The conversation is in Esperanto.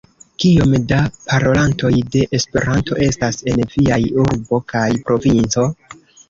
Kiom da parolantoj de Esperanto estas en viaj urbo kaj provinco?